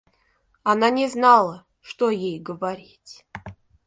Она не знала, что ей говорить.